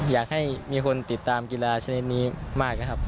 อยากให้มีคนติดตามกีฬาชนิดนี้มากนะครับ